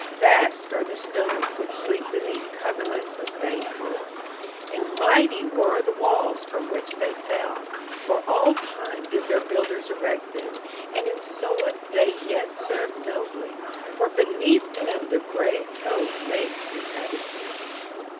Vast are the stones which sleep beneath coverlets of dank moss, and mighty were the walls from which they fell. For all time did their builders erect them, and in sooth they yet serve nobly, for beneath them the grey toad makes his habitation.